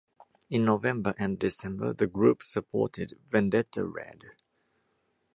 In November and December, the group supported Vendetta Red.